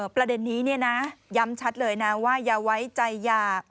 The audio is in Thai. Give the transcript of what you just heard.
ประเด็นนี้ย้ำชัดเลยนะว่าอย่าไว้ใจยา